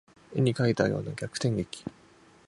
絵に描いたような逆転劇